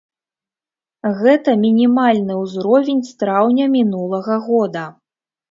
Гэта мінімальны ўзровень з траўня мінулага года.